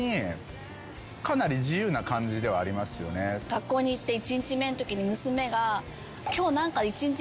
学校に行って１日目のときに娘が。